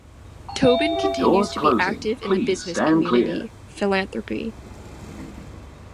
Tobin continues to be active in the business community, philanthropy.